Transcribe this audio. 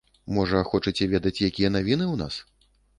Можа, хочаце ведаць, якія навіны ў нас?